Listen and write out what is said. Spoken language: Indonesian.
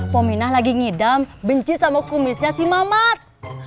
pominah lagi ngidam benci sama kumisnya si mamat